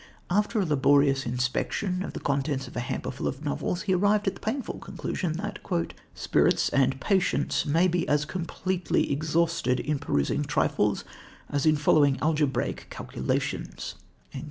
After a laborious inspection of the contents of a hamper full of novels, he arrived at the painful conclusion that "spirits and patience may be as completely exhausted in perusing trifles as in following algebraical calculations."